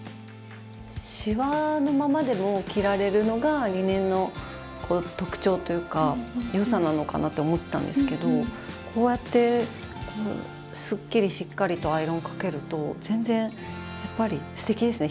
シワのままでも着られるのがリネンのこう特長というか良さなのかなって思ったんですけどこうやってスッキリしっかりとアイロンをかけると全然やっぱりすてきですね